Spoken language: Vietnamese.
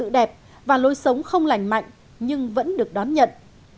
đẹp và lối sống không lành mạnh nhưng vẫn được đón nhận